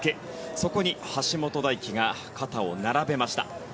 そこに橋本大輝が肩を並べました。